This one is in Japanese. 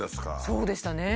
そうでしたね。